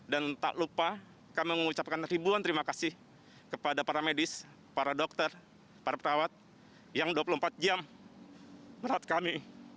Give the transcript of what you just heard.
dan tak lupa kami mengucapkan ribuan terima kasih kepada para medis para dokter para perawat yang dua puluh empat jam merawat kami